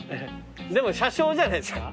でも車掌じゃないですか？